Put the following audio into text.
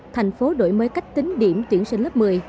thành phố đổi mới cách tính điểm tuyển sinh lớp một mươi